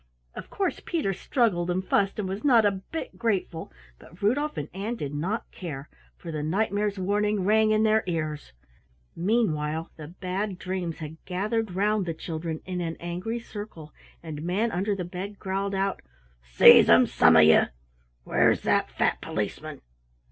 Of course Peter struggled and fussed and was not a bit grateful, but Rudolf and Ann did not care, for the Knight mare's warning rang in their ears. Meanwhile the Bad Dreams had gathered round the three children in an angry circle, and Manunderthebed growled out: "Seize 'em, some of you! Where's that fat Policeman?"